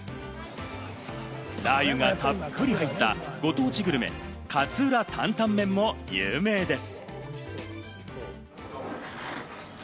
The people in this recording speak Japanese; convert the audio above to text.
ラー油がたっぷり入った、ご当地グルメ・勝浦タンタンメンも有名です。